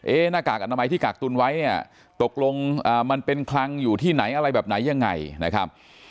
หน้ากากอนามัยที่กักตุนไว้เนี่ยตกลงมันเป็นคลังอยู่ที่ไหนอะไรแบบไหนยังไงนะครับ